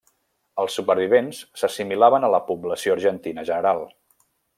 Els supervivents s'assimilaven a la població argentina general.